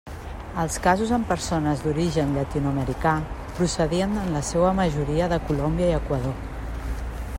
Els casos en persones d'origen llatinoamericà procedien en la seua majoria de Colòmbia i Equador.